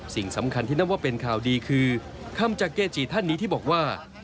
สิ่งสำคัญที่นับว่าเป็นข่าวดีคือคำจากเกจิท่านนี้ที่บอกว่า